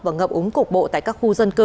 và ngập úng cục bộ tại các khu dân cư